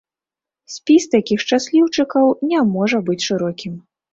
Спіс такіх шчасліўчыкаў не можа быць шырокім.